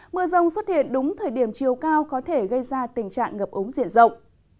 mưa rông xuất hiện đúng thời điểm chiều cao có thể gây ra tình trạng ngập ống diện rộng